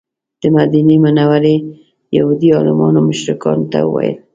د مدینې منورې یهودي عالمانو مشرکانو ته وویل.